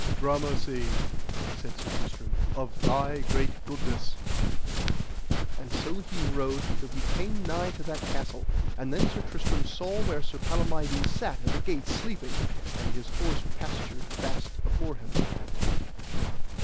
Gramercy, said Sir Tristram, of thy great goodness. And so he rode till he came nigh to that castle; and then Sir Tristram saw where Sir Palamides sat at the gate sleeping, and his horse pastured fast afore him.